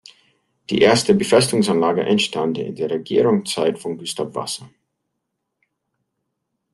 Die erste Befestigungsanlage entstand in der Regierungszeit von Gustav Wasa.